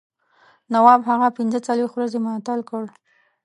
نواب هغه پنځه څلوېښت ورځې معطل کړ.